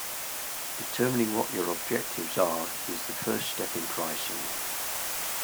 Determining what your objectives are is the first step in pricing.